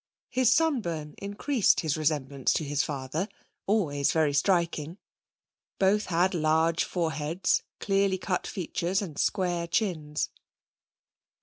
His sunburn increased his resemblance to his father, always very striking. Both had large foreheads, clearly cut features and square chins.